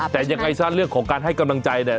แต่อย่างไกลซะเรื่องของการให้กำลังใจ